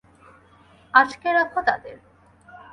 আটকে রাখো তাদের!